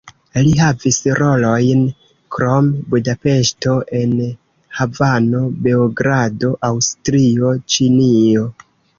Li havis rolojn krom Budapeŝto en Havano, Beogrado, Aŭstrio, Ĉinio.